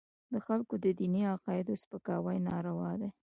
د خلکو د دیني عقایدو سپکاوي ناروا دی.